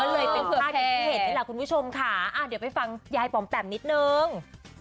เลยเป็นห้าเหตุของคุณผู้ชมค่ะเดี๋ยวไปฟังยายป๋อมแปบนิดหนึ่ง